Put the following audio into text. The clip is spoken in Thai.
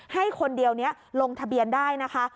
ให้คนเดียวนี้ลงทะเบียนได้นะคะ